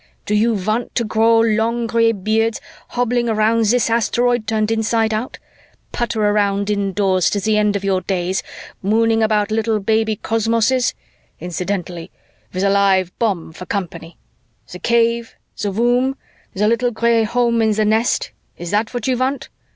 Do you want to grow long gray beards hobbling around this asteroid turned inside out? Putter around indoors to the end of your days, mooning about little baby cosmoses? incidentally, with a live bomb for company. The cave, the womb, the little gray home in the nest is that what you want?